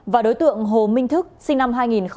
và đối tượng hồ minh thức sinh năm hai nghìn